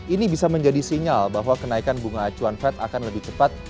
ini bisa menjadi sinyal bahwa kenaikan bunga acuan fed akan lebih cepat